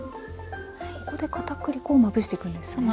ここでかたくり粉をまぶしていくんですね。